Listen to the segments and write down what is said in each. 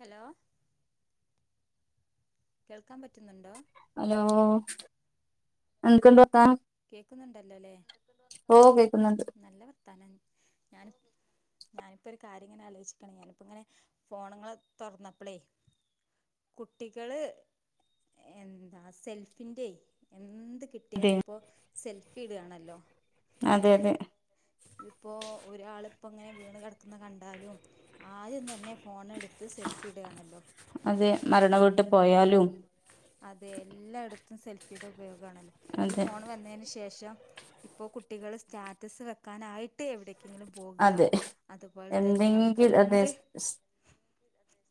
Hello കേൾക്കാൻ പറ്റുന്നുണ്ടോ? Hello എന്തക്കെണ്ട് വർത്താനം കേക്കുന്നുണ്ടല്ലോല്ലേ ഓ കേക്കുന്നുണ്ട് നല്ല വർത്താനം ഞാൻ ഞാനിപ്പോ ഒരു കാര്യം ഇങ്ങനെ ആലോചിക്കാണെ ഞാനിപ്പ ഇങ്ങനെ ഫോണ് തുറന്നപ്പളേ കുട്ടികള് എന്താ സെൽഫിന്റെ എന്ത് കിട്ട കിട്ടിയാൽ അതെ ഇപ്പോ സെൽഫി ഇടാണല്ലോ അതെ അതെ ഇതിപ്പോ ഒരാളിപ്പോ ഇങ്ങനെ വീണ് കിടക്കുന്നത് കണ്ടാലും ആദ്യം തന്നെ ഫോൺ എടുത്ത് സെൽഫി ഇടാണല്ലോ അതെ മരണ വീട്ടിപോയാലും അതെ എല്ലാടത്തും സെൽഫിയുടെ ഉപയോഗമാണല്ലോ ഈ അതെ ഫോൺ വന്നതിന് ശേഷം ഇപ്പോ കുട്ടികൾ സ്റ്റാറ്റസ് ക്കാനായിട്ട് എവിടെങ്കിലും പോക അതെ അതുപോലെ തന്നെ നമ്മുക്ക് എന്തെങ്കിലും അതെ എന്ത്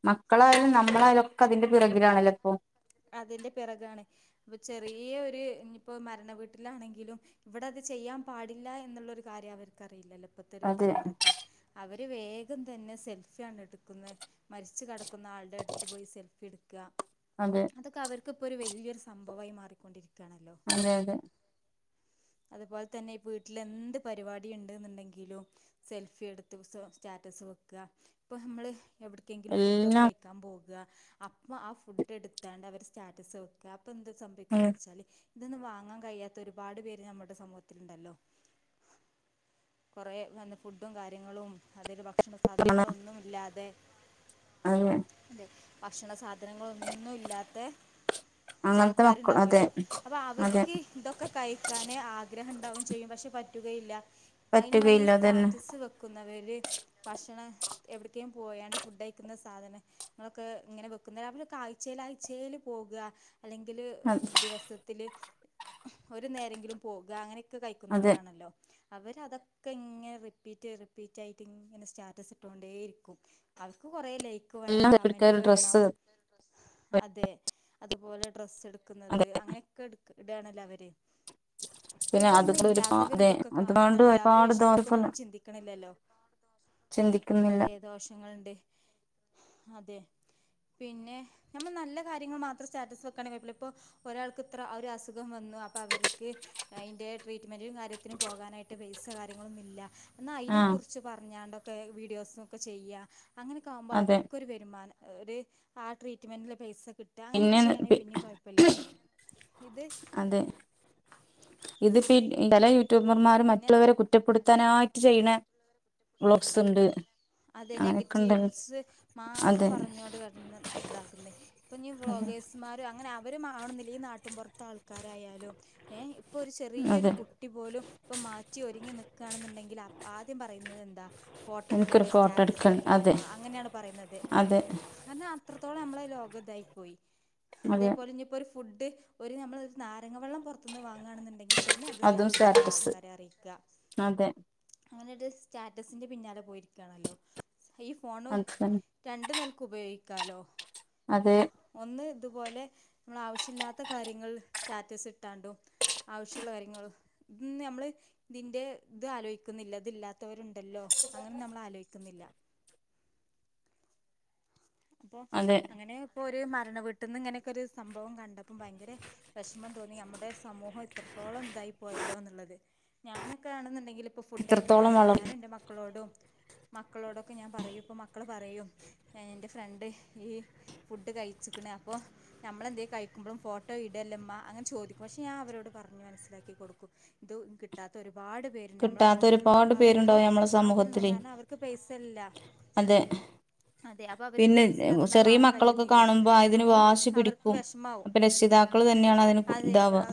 മക്കളായാലും നമ്മളായാലും ഒക്കെ അതിന്റെ പിറകിലാണല്ലോ ഇപ്പം അതിന്റെ പിറകാണ് ചെറിയൊരു ഇനിയിപ്പോ മരണ വീട്ടിലാണെങ്കിലും ഇവിടെ അത് ചെയ്യാൻ പാടില്ല എന്നുള്ളരു കാര്യം അവർക്കറിയില്ലല്ലോ ഇപ്പഴ്ത്തൊരു അതെ തലമുറക്ക് അവര് വേഗം തന്നെ സെൽഫിയാണ് എടുക്കുന്നെ മരിച്ചു കിടക്കുന്ന ആളുടെ അടുത്ത്പോയി സെൽഫി എടുക്ക അതെ അതൊക്കെ അവർക്കിപ്പോ ഒരു വലിയൊരു സംഭവമായി മാറിക്കൊണ്ടിരിക്കയാണല്ലോ അതെ അതെ അതുപോലെ തന്നെ ഇപ്പ വീട്ടിൽ എന്ത് പരിപാടി ഉണ്ടെന്നുണ്ടെങ്കിലും സെൽഫി എടുത്ത് സ്റ്റാറ്റസ് വെക്ക ഇപ്പൊ നമ്മള് എവിടക്കെങ്കിലും ഫുഡ് ഒക്കെ എല്ലാം കഴി ക്കാൻ പോക അപ്പൊ ആ ഫുഡ് എടുത്താണ്ട് അവര് സ്റ്റാറ്റസ് വെക്ക അപ്പ എന്താ സംഭവിക്കുന്നവെച്ചാൽ ഇതൊന്നും വാങ്ങാൻ കഴിയാത്ത ഒരുപാട് പേര് നമ്മുടെ സമൂഹത്തിലുണ്ടല്ലോ കുറെ നല്ല ഫുഡും കാര്യങ്ങളും അതില് ഭക്ഷണ ആണ്. സാധനങ്ങളൊന്നും ഇല്ലാതെ അതെ അതെ ഭക്ഷണ സാധനങ്ങളൊന്നും ഇല്ലാത്തെ അങ്ങനത്തെ മക്കൾ അതെ ആൾക്കാരുണ്ടാവല്ലോ അപ്പൊ അതെ അവർക്ക് ഇതൊക്കെ കഴിക്കാന് ആഗ്രഹം ഉണ്ടാവുകയും ചെയ്യും പക്ഷെ പറ്റുകയുമില്ല അയ്ന് വേണ്ടി ഈ പറ്റുകയില്ല അതന്നെ സ്റ്റാറ്റസ് വെക്കുന്നവര് ഭക്ഷണം എവിടെക്കും പോയാണ്ട് ഫുഡ് കഴിക്കുന്ന സാധനം ഇങ്ങളെ ഇങ്ങനെ വെക്കുന്ന അവരൊക്കെ ആഴ്ചേൽ ആഴ്ചേല് പോകുകാ അല്ലെങ്കില് ദിവസത്തില് ഒരു നേരെങ്കിലും പോകുകാ അങ്ങനെയൊക്കെ അതെ കഴിക്കുന്നവരാണല്ലോ അവരതൊക്കെ ഇങ്ങനെ റിപ്പീറ്റ് റിപ്പീറ്റ് ആയിട്ട് ഇങ്ങനെ സ്റ്റാറ്റസ് ഇട്ടുകൊണ്ടേരിക്കും അവർക്ക് കൊറേ ലൈക്ക് വേണം എല്ലാം എടുക്ക കമന്റ് വേണം ഡ്രസ്സ് അതെ അതുപോലെ ഡ്രസ്സ് എടുക്കുന്നത് അതെ അങ്ങനെയൊക്കെ എടുക്കു ഇടുവാണല്ലോ അവര് ഇപ്പൊ പിന്നെ ഇതൊന്നും അതുകൂടെ ഒരുപാ ഇല്ലാത്തവര് അതെ ഇതൊക്കെ അതുകൊണ്ട് കാണുന്നുണ്ട് അവര് ഒരുപാട് ദോഷം വിഷമിക്കുംന്നൊന്നും ചിന്തിക്കണില്ലല്ലോ ചിന്തിക്കുന്നില്ല ങ്ങളുണ്ട് അതെ പിന്നെ നമ്മൾ നല്ല കാര്യങ്ങള് മാത്രം സ്റ്റാറ്റസ് വെക്കാണങ്കി കൊഴപ്പില്ല ഇപ്പോ ഒരാൾക്ക് ഇത്ര ആഹ് ഒരു അസുഖം വന്നു അപ്പം അവർക്ക് അതിൻ്റെ ട്രീറ്റ്മെന്റും കാര്യത്തിനും പോകാനായിട്ട് പൈസ കാര്യങ്ങളൊന്നും ഇല്ല എന്നാൽ ആഹ് അയ്നെക്കുറിച്ച് പറഞ്ഞാണ്ടൊക്കെ വീഡിയോസൊക്കെ ചെയ്യാ അങ്ങനെയൊക്കെ ആകുമ്പോൾ അതെ അവർക്കൊരു വരുമാനം ഒരു ആഹ് ട്രീറ്റ്മെന്റിന്റെ പൈസ കിട്ട് ട്ടാ അങ്ങനെയൊക്കെ പിന്നെ പി ചെയ്യാണെങ്കിൽ പിന്നിം കൊഴപ്പില്ല ഇത് അതെ ഇത് ഫി ചെല യൂട്യൂബർമാര് മറ്റുള്ളവരെ പിന്നെ കുറ്റപ്പെടുത്താനായിട്ട് ചെയ്യണേ വ്ലോഗ്സ് ഉണ്ട് അതെ ഉണ്ടല്ലോ നെഗറ്റീവ്സ് മാത്രം അതെ പറഞ്ഞോണ്ട് കെടന്ന് ഇതാക്കുന്ന ഇപ്പഞ്ഞി വ്ലോഗേഴ്സ് മാര് അങ്ങനെ അവരും ആവണോന്നില്ല ഈ നാട്ട്മ്പൊറത്ത് ആൾക്കാരായാലും ഏഹ് ഇപ്പൊ ഒരു ചെറിയൊരു അതെ കു ട്ടി പോലും ഇപ്പൊ മാറ്റി ഒരുങ്ങി നിക്കാണെന്നുണ്ടെങ്കിൽ ആദ്യം പറയുന്നത് എന്താ ഫോട്ടോ എനിക്കൊരു എടുക്കണ്ടേ ഫോട്ടോ സ്റ്റാറ്റസ് എടുക്കണം അതെ വെക്കണ്ടേമ്മ അങ്ങനെയാണ് പറയുന്നത് അതെ കാരണം അത്രത്തോളം നമ്മളെ ലോകം ഇതായി പോയി അതെ അതേപോലെ ഇഞ്ഞീപ്പൊരു ഫുഡ് ഒരു നമ്മൾ ഒരു നാരങ്ങ വെള്ളം പുറത്തുനിന്ന് വാങ്ങാണെന്നുണ്ടെങ്കിൽ പിന്നെ അത് അതും സ്റ്റാറ്റസിട്ട് സ്റ്റാറ്റസ് ആൾക്കാരെ അറിയിക്കുക അതെ അങ്ങനെ ഒരു സ്റ്റാറ്റസിന്റെ പിന്നാലെ പോയിരിക്കാണല്ലോ ഈ ഫോണ് അത് രണ്ട് നിൽക്ക് ഉപയോഗിക്കാലോ അതെ ഒന്ന് ഇതുപോലെ നമ്മൾ ആവശ്യല്ലാത്ത കാര്യങ്ങൾ സ്റ്റാറ്റസ് ഇട്ടാണ്ടും ആവശ്യമുള്ള കാര്യങ്ങൾ ഇന്ന് നമ്മള് ഇതിന്റെ ഇത് ആലോചിക്കുന്നില്ല ഇതില്ലാത്ത ത്തവരുണ്ടല്ലോ അങ്ങനെ നമ്മൾ ആലോയ്ക്കുന്നില്ല അപ്പൊ അതെ അങ്ങനെ ഇപ്പൊ ഒരു മരണ വീട്ടിന്ന് ഇങ്ങനെയൊക്കെ ഒരു സംഭവം കണ്ടപ്പോം ഭയങ്കര വെഷമം തോന്നി നമ്മുടെ സമൂഹം ഇത്രത്തോളം ഇതായി പോയല്ലോ എന്നുള്ളത് ഞാനൊക്കെ ആണെന്നുണ്ടെങ്കിൽ ഇപ്പോൾ ഫുഡ് ഇത്രത്തോളം അയക്കുന്നാണെങ്കില് വള ഞാന് എൻ്റെ മക്കളോടും മക്കളോടൊക്കെ ഞാൻ പറയും ഇപ്പൊ മക്കൾ പറയും ഞാൻ എൻ്റെ ഫ്രണ്ട് ഈ ഫുഡ് കഴിച്ക്കണ് അപ്പൊ നമ്മളെന്തേ കഴിക്കുമ്പോളും ഫോട്ടോ ഇടല്ലമ്മാ അങ്ങനെ ചോദിക്കും പക്ഷെ ഞാ അവരോട് പറഞ്ഞു മനസ്സിലാക്കി കൊടുക്കും ഇത് കിട്ടാത്ത ഒരുപാട് പേരു ണ്ട് നമ്മളെ കിട്ടാത്ത ഫോട്ടം ഒരുപാട് കാണുമ്പോ അവർക്ക് പേരുണ്ടാവും നമ്മളെ ആഗ്രഹംണ്ടാകും സമൂഹത്തില് കാരണം അവർക്ക് പൈസല്ല അതെ അതെ അപ്പൊ ഇവര്ക് പിന്നെ പൈസ ഇല്ലാത്തോണ്ടത് ചെറിയ വാങ്ങാൻ മക്കളൊക്കെ കഴിയുന്നില്ല കാണുമ്പോ അതിന് അപ്പോ വാശി അവർക് പിടിക്കും വെഷമാവും അപ്പൊ രക്ഷിതാക്കൾ തന്നെയാണ് അതിന് അതെ ഇതാവുക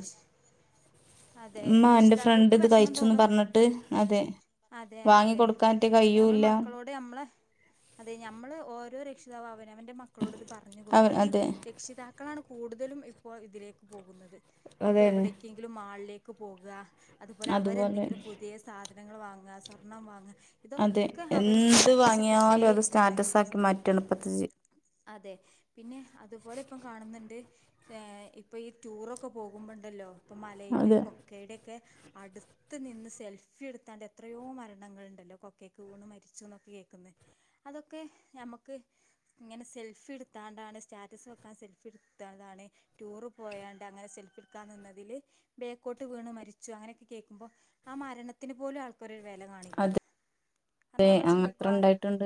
അതെ ഉമ്മ എന്റെ ഫ്രണ്ട് രക്ഷിതാക്കൾക്ക് ഇത് വെഷ്മം കഴിച്ചുന്ന് തോന്നും പറഞ്ഞിട്ട് അതെ അതെ വാങ്ങി അതെ കൊടുക്കാൻറ്റെ അപ്പ നമ്മള് കയ്യൂല്ല മക്കളോ ട് നമ്മളെ അതെ ഞമ്മള് ഓരോ രക്ഷിതാവ് അവനവന്റെ മക്കളോട് ഇത് പർഞ് അവ കൊട്ക്ക അയിന് അതെ രക്ഷിതാക്കളാണ് കൂടുതലും ഇപ്പോൾ ഇതിലേക്ക് പോകുന്നത് ഇഞ്ഞിപ്പോ അതെന്നെ എവിടെക്കെ ങ്കിലും മാൾലേക്ക് പോക അതുപോലെ അവരെന്തെങ്കിലും പുതിയ സാ സാധനങ്ങൾ വാങ്ങ സ്വർണ്ണം വാങ്ങ അതെ എന്ത് വാങ്ങിയാലും അത് ഇരിക്കുകയാണ് സ്റ്റാറ്റസാക്കി മാറ്റാണ് ഇപ്പത്തെ ജി അതെ പിന്നെ അതുപോലെ ഇപ്പം കാണുന്ന്ണ്ട് ഇപ്പ ഈ ടൂറൊക്ക പോകുമ്പണ്ടല്ലോ ഇപ്പം അതെ മലയുടെയും കൊക്കയുടെക്കെ അട് ത്ത് നിന്ന് സെൽഫി എട്ത്താണ്ട് എത്രയോ മരണങ്ങൾണ്ടല്ലോ കൊക്കേക്ക് വീണ് മരിച്ചുന്നൊക്കെ കേക്ക്ന്ന് അതൊക്കെ ഞമ്മക്ക് ഇങ്ങനെ സെൽഫി ഇട്ത്താണ്ടാണ് സ്റ്റാറ്റസ് വെക്കാൻ സെൽഫി ഇട്ത്താണ്ടാണ് ടൂറ് പോയാണ്ട് അങ്ങനെ സെൽഫി ഇട്ക്കാൻ നിന്നതില് ബേക്കോട്ട് വീണ് മരിച്ചു അങ്ങനെയൊക്കെ കേക്കുമ്പോ ആ മരണത്തിന് പോലും ആൾക്കൊരു വെല കാണില്ല അങ്ങനെ നമ്മൾ ചിന്തിക്വോ ട്ട്ണ്ട്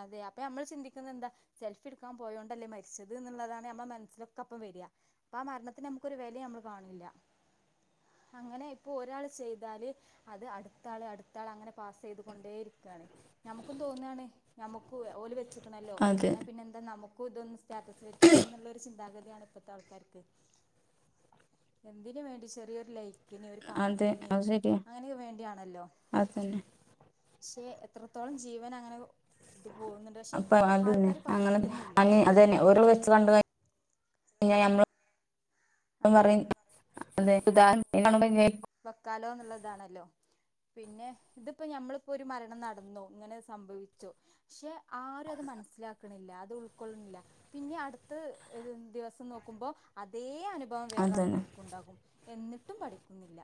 അതെ അപ്പ നമ്മള് ചിന്തിക്കുന്നെന്താ സെൽഫി ഇട്ക്കാം പോയോണ്ടല്ലേ മര്ച്ചത് ന്ന്ള്ളതാണ് നമ്മളെ മൻസ്സിലൊക്കപ്പം വര അപ്പ ആ മരണത്തിന് നമുക്കൊരു വെല നമ്മള് കാണ് ണില്ല. അങ്ങനെ ഇപ്പോ ഒരാള് ചെയ്താല് അത് അട്ത്താള് അട്ത്താള് അങ്ങനെ പാസ് ചെയ്തു കൊണ്ടേയിരിക്കാണ്. ഞമ്മക്കും തോന്നാണ്. ഞമ്മുക്കു ഓല് വെച്ച്ക്ക്‌ണല്ലോ അതെ ന്നാ പിന്നെ എന്താ നമു ക്കു ഇതൊന്ന് സ്റ്റാറ്റസ് വെച്ചൂടെ ന്നുള്ളരു ചിന്താഗതിയാണ് ഇപ്പത്ത ആൾക്കാര്ക്ക്. എന്തിനു വേണ്ടി ചെറിയൊരു ലൈ ക്ക്‌ന് ഒരു അതെ കമന്റിന് അത് ശരിയാ അങ്ങനെ വേണ്ടിയാണല്ലോ. അതന്നെ പക്ഷെ എത്രത്തോളം ജീവനങ്ങനെ ഇത് പോവുന്നു അപ്പൊ അത് ന്നേ അങ്ങനെ അങ്ങനെ അതന്നെ ഓരോള് വെച്ച് കണ്ട് ക കഴിഞ്ഞ ഞമ്മള് അതെ പറഴും [unintelligible] വെക്കാലോ ന്ന്ള്ളതാണല്ലോ. പിന്നെ ഇത്പ്പ ഞമ്മള്പ്പോ ഒരു മരണം നടന്നു. ഇങ്ങനെ സംഭവിച്ചു പക്ഷെ ആരു അത് മൻസ്സിലാക്ക്ണില്ല. അത് ഉൾക്കൊള്ള്ണില്ല പിന്നെ അട്ത്ത ദിവസം നോക്കുമ്പോ അതേ അനു ഭവം വേറെ അതന്നെ ആൾക്കാര്ക്കു ഉണ്ടാകും. എന്നിട്ടും പഠിക്കുന്നില്ല.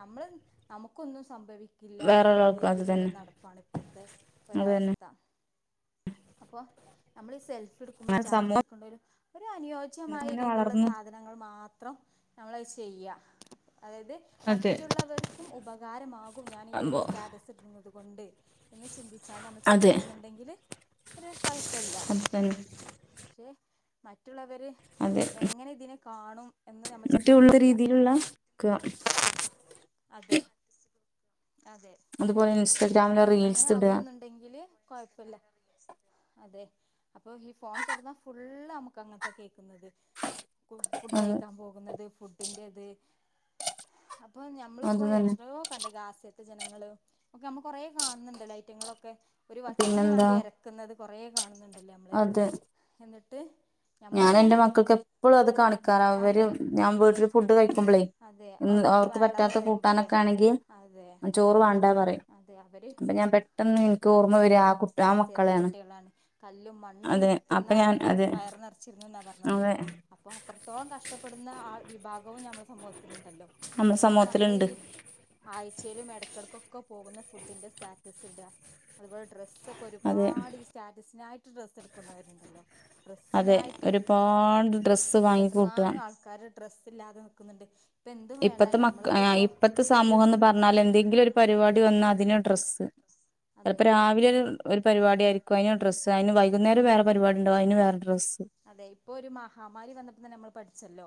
നമ്മള് നമുക്കൊന്നും സംഭവി‌ ഇല്ലാന്ന്ള്ളരു വേറൊരാൾക്കും അത് തന്നെ രീതിയിലുള്ളോരു നടപ്പാണ് ഇപ്പോഴത്തെ വേറെ ഒരാൾക്ക് അത് തന്നെ അത് തന്നെ ഒരവസ്ഥ. അപ്പോ നമ്മള് ഈ സെൽഫി ഇട്ക്കുമ്പോ അങ്ങനെ സ്റ്റാറ്റസ് സമൂഹം വെക്കേണ്ടൊരു ഒരു അനുയോജ്യമായ അങ്ങനെ രീതിയിലുള്ള വളർന്നു സാധ ങ്ങൾ മാത്രം നമ്മള അത് ചെയ്യ. അതായത് അതെ മറ്റുള്ളവര്ക്കും ഉപകാരമാകും ഞാനി ഈ ഒരു അപ്പോ സ്റ്റാറ്റസ് ഇട്ട്ണത് കൊണ്ട് എന്ന് ചിന്തിച്ചാണ്ട് നമ്മള് അതെ ചെയ്യാണ്ന്ന്ണ്ടെങ്കില് ഒരു കൊഴപ്പല്ല. അത് തന്നെ പക്ഷെ മറ്റുള്ളവര് അതെ എങ്ങനെ ഇതിനെ കാണും എന്ന് നമ്മൾ മറ്റുള്ള ചിന്തിക്കുന്നില്ല രീതിയിലുള്ള ക്ക അതെ അതെ അതുപോലെ ഇൻസ്റ്റാഗ്രാമില് റീൽസ് ഇട ഇണ്ടെങ്കില് കൊഴപ്പെല്ലാ. അതെ അപ്പ ഈ ഫോൺ തൊറന്നാ ഫുള്ള് അമ്മക്ക് അങ്ങൻത്തെയാ കേക്ക്ന്നത്. കു ഫുഡ് അത് കയ്ക്കാൻ പോകുന്നത്, ഫുഡിന്റെത് അപ് അപ്പം അത് ഞമ്മളിപ്പോ തന്നെ എത്രയോ കണ്ട് ഗാസ് ത്തെ ജനങ്ങള് ഒക്കെ നമ്മ കൊറെ കാണുന്ന്ണ്ടല്ലോ ഐറ്റങ്ങളൊക്കെ ഒരു വറ്റിനു പിന്നെന്താ വേണ്ടി എരക്കുന്നത് കൊറേ കാണുന്നുണ്ടല്ലോ നമ്മള് അതെ എന്നിട്ട് ഞാൻ എന്റെ ഞമ്മളിങ്ങനെ മക്കക്ക് എപ്പളു അത് കാണിക്കാറാ ഇവര് അതെ ഞാൻ വീട്ടില് ഫുഡ് കഴിക്കുമ്പളേ. അതെ ഇൻ അവർക്ക് വേണ്ടാന്ന് പറ്റാത്ത പറയുമ്പോലെ കൂട്ടാനൊക്കെ ആണെങ്കി അതെ ചോറ് വാണ്ടാ പറയും. അതെ അവര് അപ്പൊ ഞാൻ പെട്ടെന്ന് എനിക്ക് ഓർമ്മ വരും ആ കുട്ടി ആ ഗാസെത്തെ മക്കളെയാണ് കുട്ടികളാണ്. കല്ലും മണ്ണും അതെ അപ്പൊ ഞാൻ തിന്നവര് അതെ വയറ് നെർ ച്ചിരുന്നുന്നാ പറഞ്ഞത് അതെ അപ്പൊ അത്രത്തോളം കഷ്ട്ടപ്പെടുന്ന ആ വിഭാഗവും ഞമ്മളെ സമൂഹത്തില്ണ്ടല്ലോ. നമ്മുടെ ഇന്നട്ട് നമ്മളീ സമൂഹത്തിലുണ്ട് ആഴ്ച്ചേലും എടക്കെടക്കൊക്കെ പോകുന്ന ഫുഡിന്റെ സ്റ്റാറ്റസ്സ്ടാ അതുപോലെ ഡ്രസ്സും ക്കെ അതെ ഒരുപാട് ഈ സ്റ്റാറ്റസ്സിനായിട്ട് ഡ്രസ്സ് എടുക്കുന്നവരുണ്ടല്ലോ അതെ ഡ്രസ്സിനായിട്ട് ഒരുപാട് ഡ്രസ്സ് വാങ്ങിക്കൂട്ടുക എത്രങ്ങാനം ആൾ ക്കാര് ഡ്രസ്സില്ലാതെ നിക്ക്ന്ന്ണ്ട് ഇപ്പത്തെ മക്ക് ആഹ് ഇപ്പത്തെ ഒരു സമൂഹന്ന് പറഞ്ഞാ എന്തെങ്കിലൊരു പരിപാടി വന്നാ അതിന് ഡ്രസ്സ് അതെ ചെലപ്പം രാവിലെ ഒര് ഒരു പരിപാടിയായിരിക്കു അയ്ന് ഡ്രസ്സ്, അയ്ന് വൈകുന്നേരം വേറെ പരിപാടി ഇണ്ടാവും അയ്ന് വേറെ ഡ്രസ്സ് അതെ ഇപ്പൊ ഒരു മഹാമാരി വന്നപ്പോ തന്നെ നമ്മള് പഠിച്ചല്ലോ.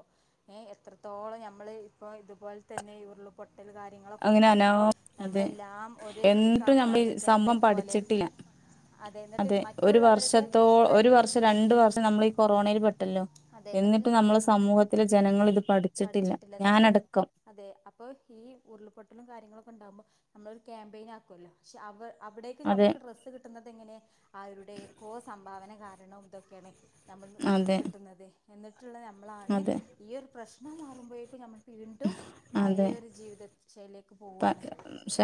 ഏഹ് എത്രത്തോളം ഞമ്മള് ഇപ്പോ ഇതുപോലെ തന്നെ ഈ ഉരുളപൊട്ടല് കാര കാര്യങ്ങളൊക്കെ അങ്ങനെ അനോ ഇണ്ടാകുമ്പോ അതെ നമ്മളെല്ലാം ഒരു എന്നിട്ടും നമ്മൾ ഈ ഇത്ക്കാക്കാണല്ലേ സംഭവം ക്യാമ്പയിൻ പോലെ. പഠിച്ചിട്ടില്ല അതെ എന്നിട്ട് മറ്റുള്ളവരുടെ കൈയ്യിൽ രണ്ടു വർഷം നമ്മളീ കൊറോണയിൽ പെട്ടല്ലോ എന്നിട്ട് നമ്മളെ സമൂഹത്തിലെ ജനങ്ങളിത് പടി ച്ചിട്ടില്ലാ പഠിച്ചിട്ടില്ല എന്നിട്ട് ഞാനടക്കം അതെ അപ്പോ ഈ ഉരുൾപൊട്ടലും കാര്യങ്ങളൊക്കെ ഇണ്ടാകുമ്പോ നമ്മളൊരു ക്യാമ്പയിൻ ആക്കോല്ലോ ക്ഷെ അവ അവിടേക്ക് അതെ നമ്മക്ക് ഡ്രസ്സ് കിട്ടുന്നത് എങ്ങനെ ആരുടെക്കോ സംഭാവന കാരണം ഇതൊക്കേണ് ഞമ്മൾ ഇന്ന് അതെ കിട്ടുന്നത് എന്നിട്ട്ള്ള ഞമ്മളാണ് അതെ ഈ ഒരു പ്രശ്നം മാറുമ്പോക്കും ഞമ്മൾ വീണ്ടും പയെ അതെ ഒരു ജീവിത ശൈലിയേക്ക് പ പോവാണ്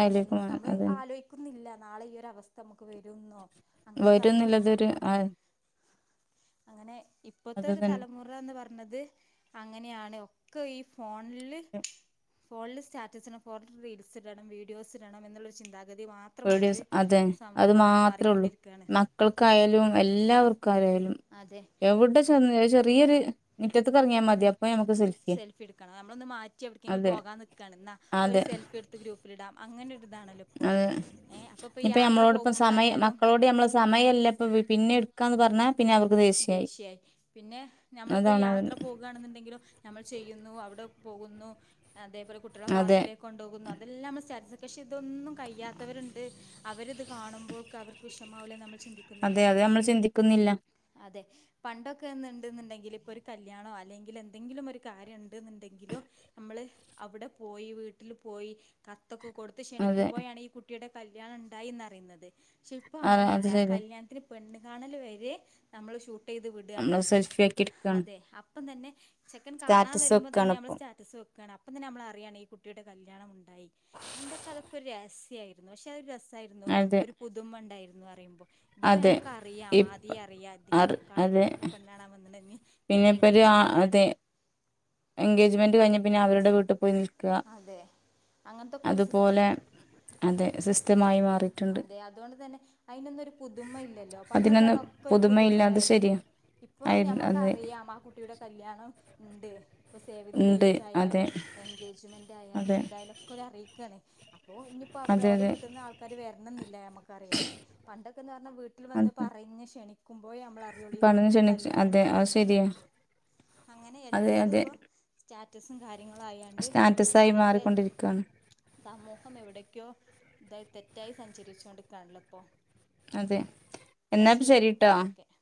ഏഹ് എൻ നമ്മള് അതന്നെ ആലോയി ക്കുന്നില്ല നാളെ ഈ ഒരവസ്ഥ നമ്മക്ക് വെരുന്നോ വെരുന്നില്ലതൊരു ആഹ് അങ്ങനെ ഇപ്പത്തെ ഒരു തന്നെ തലമുറ എന്ന് പറഞ്ഞത് അങ്ങനെയാണ് ഒക്കെ ഈ ഫോണില് ഫോണില് സ്റ്റാറ്റസ്സിടണം ഫോട്ടോട്ത്ത് റീൽസ് ഇടണം വീഡിയോസ് ഇടണം എന്നുള്ളൊരു ചിന്താഗതി മാത് ത്രമുള്ളൊര് പേടിയൊസ് അതെ അത് സമൂഹമായി മാത്രേ ഉള്ളൂ മാറിക്കൊണ്ടിരിക്കാണ് മക്കൾക്കായാലും എല്ലാവർക്കായാലും അതെ എവിടെ [unintelligible] ചെറിയൊര് മിറ്റത്ത്ക്ക് എറങ്ങ്യാ മതി അപ് സെൽഫി ഇട്ക്കണം നമ്മളൊന്ന് മാറ്റി എവ്ട്ക്കേങ്കിലും അതെ പോകാ നിക്കാണ് ഇന്നാ ഒരു അതെ സെൽഫി എട്ത് ത്ത് ഗ്രൂപ്പിലിടാം അങ്ങനെ ഒരു ഇതാണല്ലോ ഇപ്പം അതെ ഏഹ്‌ അപ്പൊ ഇപ്പൊ യാത്ര പോകുമ്പളായാലും സമയെല്ലാ ഇപ്പ പി പിന്നെ എട്ക്കാന്ന് പറഞ്ഞാൽ ദേഷ്യായി പിന്നെ ഞമ്മളിപ്പോ ഈ അതാണ് അവൻ യാത്ര പോ പോകാണ്ന്ന്ണ്ടെങ്കിലും ന്തമ്മള് ചെയ്യുന്നു അവിടെ പോകുന്നു അതേപോലെ കുട്ട്യാളെ അതെ പാർക്കില് കൊണ്ടോകുന്നു അതെല്ലാം നമ്മള് സ്റ്റാറ്റസ് പക്ഷെ ഇതൊന്നും കയ്യാത്തവര്ണ്ട് അവരിത് കാണുമ്പോൾക്ക് അവർക്ക് വിഷമാവില്ലെ നമ്മൾ അതെ ചിന്തിക്കുന്നില്ല അത് നമ്മൾ ചിന്തിക്കുന്നില്ലാ അതെ പണ്ടൊക്കെന്ന് ഇന്ന്ണ്ട്ന്ണ്ടെങ്കില് ഇപ്പോ ഒരു കല്യാണോ അല്ലെങ്കി എന്തെങ്കിലും ഒരു കാര്യം ഉണ്ട്ന്ണ്ടെങ്കിലും നമ്മള് അവിടെ പോയി വീട്ടില് പോയി കത്തൊക്കെ കൊടുത്ത് അതെ ക്ഷണിക്കുമ്പോഴാണ് ഈ കുട്ടിയുടെ കല്യാണണം ഇണ്ടായി ന്നറിഞ്ഞത് പക്ഷെ ഇപ്പം ആ അത് അങ്ങനെയല്ല ശരി കല്യാണത്തിന് പെണ്ണു കാണല് വരെ നമ്മള് ഷു ടീത് വിടാണ് നമ്മള് ഉം സെൽഫി ആക്കി എടുക്കാണ് അതെ അപ്പ തെന്നെ ചെക്കൻ കാണാൻ സ്റ്റാറ്റസ് വരുമ്പോ തെന്നെ വെക്കാണ് നമ്മള് ഇപ്പം സ്റ്റാറ്റസ് വെക്കാണ്. അപ്പ തെന്നെ നമ്മളറിയാണ് ഈ കുട്ടിയുടെ കല്യാണം ഇണ്ടായി പണ്ടൊക്കെ അതൊക്കെ രഹസ്യംയിരുന്നു പക്ഷെ അത് രസായിരുന്നു അതെ ഒരു പുതുമ ഇണ്ടായിന്നു പറയുമ്പോ. ഇത്പ്പോ അതെ നമ്മക്ക അറിയാ ഇപ്പ ആദ്യേ അറിയാ അതിൻ്റെ അറ് കാണല്ലാം അതെ പെണ്ണാണാ വന്നു കഴിഞ് പിന്നെ ഇതിൻ്റെ ഇപ്പൊര് ആ എൻഗേജ്മെൻറ്ണ് അതെ എൻഗേജ്മെന്റ് കഴിഞ്ഞ പിന്നെ അവരുടെ വീട്ടിൽ പോയി നിൽക്കാ. അതെ അങ്ങനത്തൊക്കെ ഒരു സിസ്റ്റം അതുപോലെ അതെ സിസ്റ്റ്മായി മാറി അതെ അതോണ്ട് തെന്നെ അയിനൊന്നും ഒരു പുതുമ ഇല്ലല്ലോ പണ്ടൊക്കെ അതിനൊന്നും പറഞ്ഞ ഒക്കെ ഒരു പുതുമയില്ല അത് പുതുമയായിരുന്നു ശരിയാ ഇപ്പൊ ആയിരുന്നു ഞമ്മക്ക അതെ അറിയാം ആഹ് കുട്ടിയുടെ കല്യാണം ഉണ്ട് ഇപ്പോ സേവ്ത് ഉണ്ട് ഡേറ്റ് അതെ ആയാലും എൻഗേജ്മെൻറ് ആയാലും അതെ എതായാലും ഒക്കെ ഓല് അറിയിക്കാണ് അപ്പോ ഇനിയിപ്പോ അവിടെ അതെ ഓലെ അതെ വീട്ന്ന് ആൾക്കാര് വരണന്നില്ല നമക്ക് അറിയാന് പണ്ടൊക്കെന്ന് പറഞ്ഞാ വീട്ടില് വന്ന് അതെ പറഞ്ഞ് ഷെണി ക്കുമ്പോയേ നമ്മള അറിയൊള്ളൂ ഈ പടന്ന് കുട്ടിയുടെ ക്ഷണിച്ചു കല്യാണ അതെ അത് ഇണ്ടായിന്ന്ള്ളത് ശരിയാ അങ്ങനെ അതെ അതെ എല്ലതുപ്പോ സ്റ്റാറ്റസും കാര്യങ്ങളും ആയാണ് സ്റ്റാറ്റസായി മാറിക്കൊണ്ടിരിക്കാണ്. സമൂഹം എവിടക്കോ തെറ്റായി സഞ്ചരിച്ചു കൊണ്ടിരികാണല്ലൊ ഇപ്പോ അതെ എന്നാ എന്നാപ്പ ശരിട്ടോ ശെരിട്ടോ ഓക്കെ